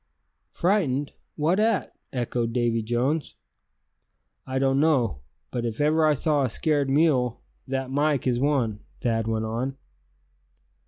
"Frightened; what at?" echoed Davy Jones. "I don't know; but if ever I saw a scared mule, that Mike is one," Thad went on.